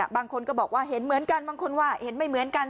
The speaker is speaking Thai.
บางคนก็บอกว่าเห็นเหมือนกันบางคนว่าเห็นไม่เหมือนกัน